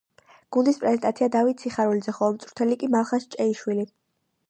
გუნდის პრეზიდენტია დავით სიხარულიძე, ხოლო მწვრთნელი კი მალხაზ ჭეიშვილი.